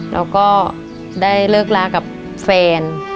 แล้วก็ได้เลิกลากับแฟน